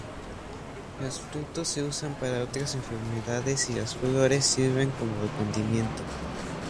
Los frutos se usan para otras enfermedades y las flores sirven como condimento.